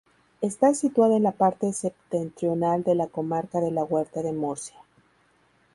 Está situada en la parte septentrional de la comarca de la Huerta de Murcia.